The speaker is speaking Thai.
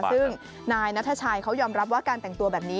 ซึ่งนายนัทชัยเขายอมรับว่าการแต่งตัวแบบนี้